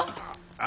あ？